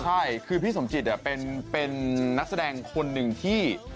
ใช่คือพี่สมจิตเป็นนักแสดงคนหนึ่งที่